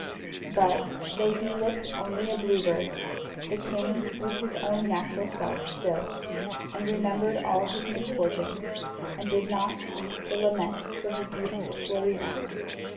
But, though he looked only a blue bird, the king was his own natural self still, and remembered all his misfortunes, and did not cease to lament for his beautiful Florina.